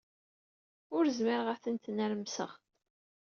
Ur zmireɣ ara ad tent-nermseɣ.